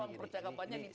ruang percakapannya ditutup